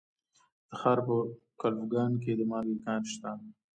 د تخار په کلفګان کې د مالګې کان شته.